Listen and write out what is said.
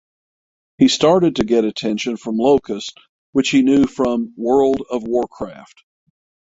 He started to get attention from Locust which he knew from "World of Warcraft".